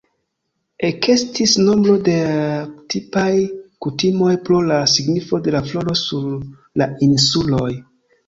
Ekestis nombro da tipaj kutimoj pro la signifo de la floro sur la insuloj.